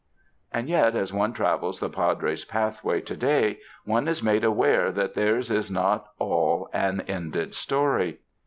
And yet, as one travels the Padres' pathway to day, one is made aware that theirs is not all an ended story.